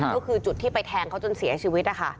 ก็คือจุดที่ไปแทงเขาจนเสียชีวิตนะคะ